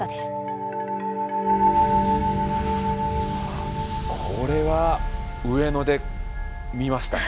あっこれは上野で見ました。